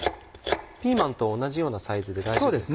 ピーマンと同じようなサイズで大丈夫ですか？